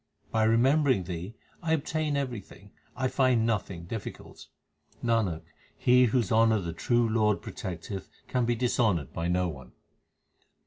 By remembering Thee, I obtain everything, I find nothing difficult. Nanak, he whose honour the true Lord protecteth can be dishonoured by no one.